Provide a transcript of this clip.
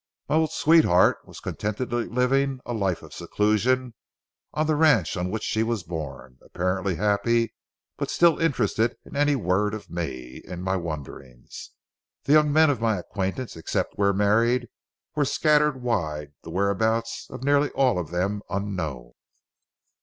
My old sweetheart was contentedly living a life of seclusion on the ranch on which she was born, apparently happy, but still interested in any word of me in my wanderings. The young men of my acquaintance, except where married, were scattered wide, the whereabouts of nearly all of them unknown.